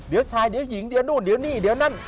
เดี๋ยวชายเดี๋ยวหญิงเดี๋ยวนู่นเดี๋ยวนี่เดี๋ยวนั่น